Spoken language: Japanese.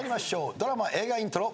ドラマ・映画イントロ。